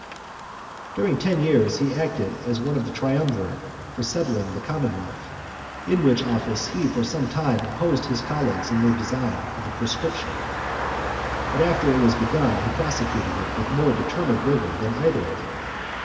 XXVII. During ten years he acted as one of the triumvirate for settling the commonwealth, in which office he for some time opposed his colleagues in their design of a proscription; but after it was begun, he prosecuted it with more determined rigour than either of them.